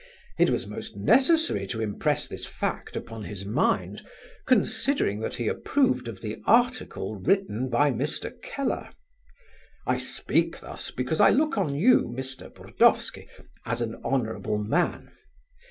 It was most necessary to impress this fact upon his mind, considering that he approved of the article written by Mr. Keller. I speak thus because I look on you, Mr. Burdovsky, as an honourable man.